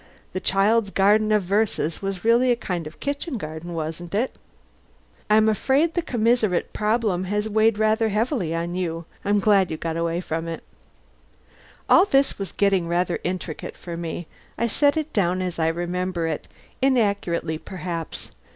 The 'Child's Garden of Verses' was really a kind of kitchen garden, wasn't it? I'm afraid the commissariat problem has weighed rather heavily on you. I'm glad you've got away from it." All this was getting rather intricate for me. I set it down as I remember it, inaccurately perhaps.